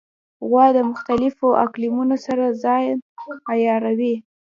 غوا د مختلفو اقلیمونو سره ځان عیاروي.